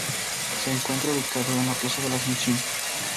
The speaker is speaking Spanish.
Se encuentra ubicado en la Plaza de la Asunción.